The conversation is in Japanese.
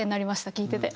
聴いてて。